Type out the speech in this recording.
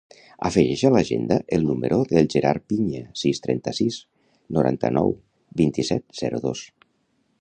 Afegeix a l'agenda el número del Gerard Piña: sis, trenta-sis, noranta-nou, vint-i-set, zero, dos.